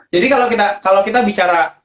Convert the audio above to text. jadi kalau kita bicara